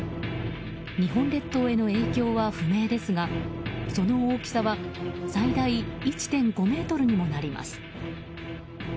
日本列島への影響は不明ですがその大きさは最大１．５ｍにもなります。